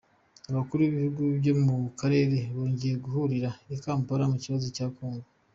Abakuru b’ibihugu byo mu Karere bongeye guhurira i Kampala ku kibazo cya kongo